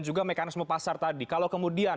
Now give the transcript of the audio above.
juga mekanisme pasar tadi kalau kemudian